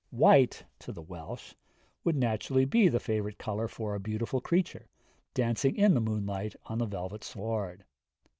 White, to the Welsh, would naturally be the favourite colour for a beautiful creature, dancing in the moonlight on the velvet sward.